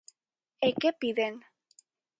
¿E que piden?